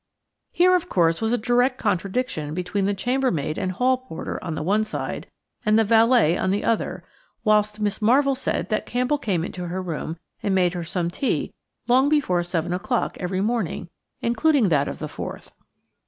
Here, of course, was a direct contradiction between the chambermaid and hall porter on the one side, and the valet on the other, whilst Miss Marvell said that Campbell came into her room and made her some tea long before seven o'clock every morning, including that of the 4th.